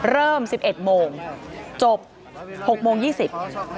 เริ่มสิบเอ็ดโมงจบหกโมงยี่สิบ